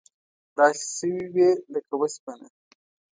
داسې شوي وې لکه وسپنه.